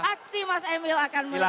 aksi mas emil akan melihat